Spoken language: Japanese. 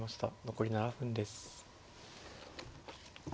残り７分です。